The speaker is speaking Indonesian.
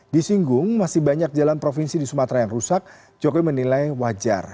disinggung masih banyak jalan provinsi di sumatera yang rusak jokowi menilai wajar